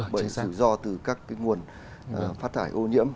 bởi do từ các cái nguồn phát thải ô nhiễm